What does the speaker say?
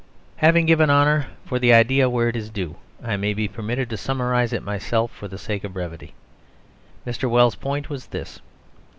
Having given honour for the idea where it is due, I may be permitted to summarise it myself for the sake of brevity. Mr. Wells' point was this.